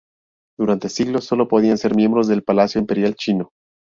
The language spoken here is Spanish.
Durante siglos, solo podían ser miembros del Palacio Imperial Chino.